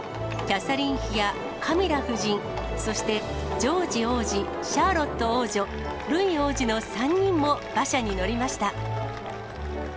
キャサリン妃やカミラ夫人、そしてジョージ王子、シャーロット王女、ルイ王子の３人も馬車に乗りました。